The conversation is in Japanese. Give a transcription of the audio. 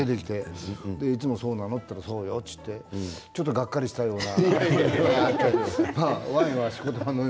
いつもそうなの？と言ったら、そうよとちょっとがっかりしたような。